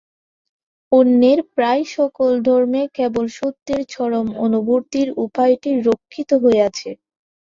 অন্যান্য প্রায় সকল ধর্মে কেবল সত্যের চরম অনুভূতির উপায়টিই রক্ষিত হইয়াছে।